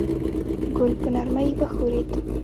ګل په نرمۍ وښورېد.